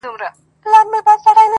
يې ياره شرموه مي مه ته هرڅه لرې ياره,